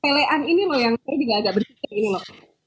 pele an ini yang agak bersifat ini loh